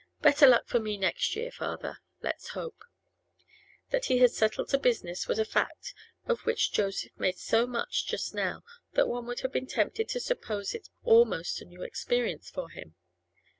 Better luck for me next year, father, let's hope.' That he had settled to business was a fact of which Joseph made so much just now that one would have been tempted to suppose it almost a new experience for him.